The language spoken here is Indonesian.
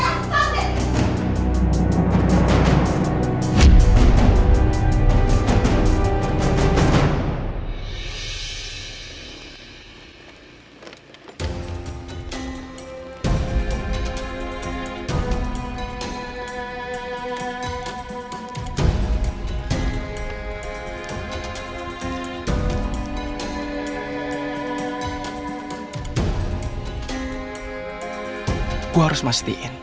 saya harus pastikan